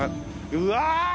うわ！